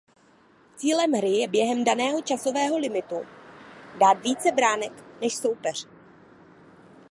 Cílem hry je během daného časového limitu dát více branek než soupeř.